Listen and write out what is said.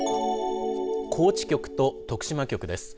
高知局と徳島局です。